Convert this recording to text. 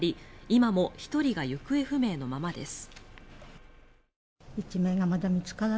今も１人が行方不明のままです。